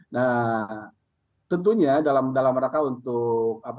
nah tentunya dalam rangka untuk